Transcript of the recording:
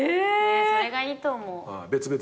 それがいいと思う。